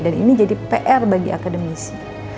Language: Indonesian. dan ini jadi pr bagi akademisi